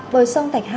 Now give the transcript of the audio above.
bờ sông thạch hãn